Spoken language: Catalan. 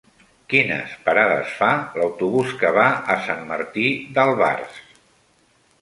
Quines parades fa l'autobús que va a Sant Martí d'Albars?